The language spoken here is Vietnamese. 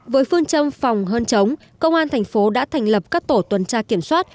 với phương châm phòng hơn chống công an tp hcm đã thành lập các tổ tuần tra kiểm soát